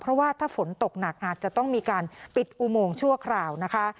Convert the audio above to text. เพราะว่าถ้าฝนตกหนักอาจจะต้องมีการปิดอุโมงชั่วคราวนะคะ